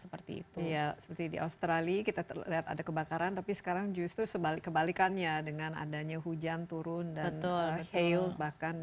seperti di australia kita lihat ada kebakaran tapi sekarang justru kebalikannya dengan adanya hujan turun dan hail bahkan ya